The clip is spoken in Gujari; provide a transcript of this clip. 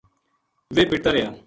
ویہ پِٹتا رہیا